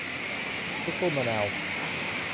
ลูกตุ้มมะพร้าว